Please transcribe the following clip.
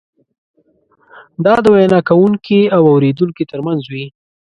دا د وینا کوونکي او اورېدونکي ترمنځ وي.